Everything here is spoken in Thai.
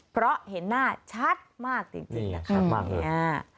เพราะเห็นหน้าชัดมากจริงนะครับ